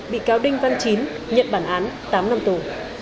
bị cáo đinh văn chín nhận bản án tám năm tù